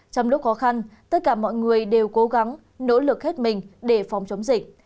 trong lúc khó khăn tất cả mọi người đều cố gắng nỗ lực hết mình để phòng chống dịch